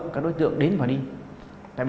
các đối tượng đến và đi tại vì